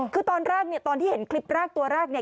คือตอนแรกเนี่ยตอนที่เห็นคลิปแรกตัวแรกเนี่ย